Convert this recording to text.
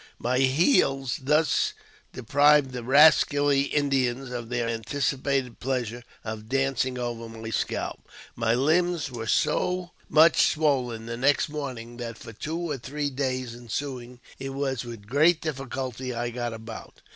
* My heels thus deprived the rascally Indians of their antici pated pleasure of dancing over my scalp. My limbs were so much swollen the next morning, that for two or three days ensuing it was with great difficulty I got about.